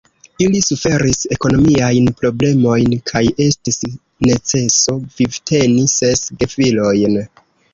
Ili suferis ekonomiajn problemojn, kaj estis neceso vivteni ses gefilojn.